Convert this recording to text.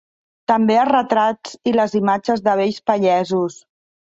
També els retrats i les imatges de vells pagesos.